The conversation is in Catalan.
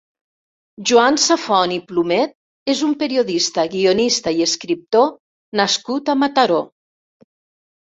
Joan Safont i Plumed és un periodista, guionista i escriptor nascut a Mataró.